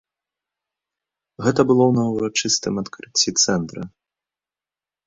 Гэта было на ўрачыстым адкрыцці цэнтра.